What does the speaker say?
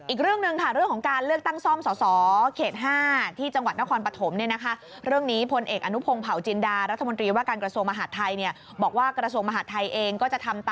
อีกเรื่องนึงค่ะเรื่องของการเลือกตั้งซ่อมศศ